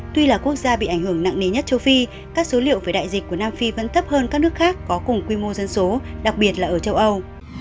tuy là quốc gia bị ảnh hưởng nặng nề nhất châu phi các số liệu về đại dịch của nam phi vẫn thấp hơn các nước khác có cùng quy mô dân số đặc biệt là ở châu âu